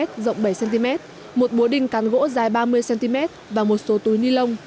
rộng bảy cm một búa đinh cắn gỗ dài ba mươi cm và một số túi ni lông